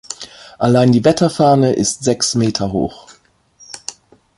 Allein die Wetterfahne ist sechs Meter hoch.